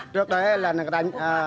trước đấy là người ta